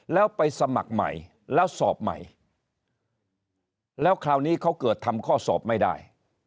แล้วไปสมัครใหม่แล้วสอบใหม่แล้วคราวนี้เขาเกิดทำข้อสอบไม่ได้